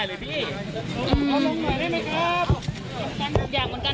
และมีความหวาดกลัวออกมา